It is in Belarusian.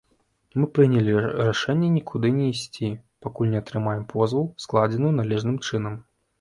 Мы прынялі рашэнне нікуды не ісці, пакуль не атрымаем позву, складзеную належным чынам.